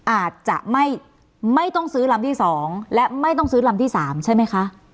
อาจจะไม่ต้องซื้อลำที่๒และไม่ต้องซื้อลำที่๓ใช่ไหมคะ